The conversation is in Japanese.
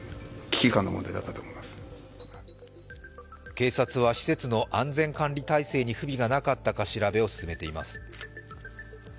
警察は施設の安全管理体制に不備がなかったか調べを進めています。